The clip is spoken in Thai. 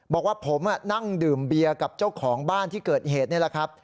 บอกว่าผมนั่งดื่มเบียร์กับเจ้าของบ้านที่เกิดเหตุนี่แหละครับ